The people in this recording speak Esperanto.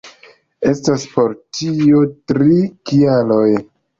Estas por tio tri kialoj.